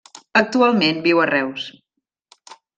Actualment viu a Reus.